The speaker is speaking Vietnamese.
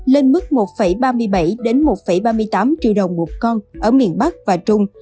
lên mức một ba mươi bảy một ba mươi tám triệu đồng một con ở miền bắc và trung